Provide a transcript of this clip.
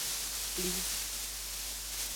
Fli.